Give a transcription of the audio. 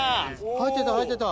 入ってた入ってた。